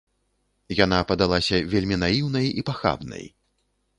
Яна падалася вельмі наіўнай і пахабнай.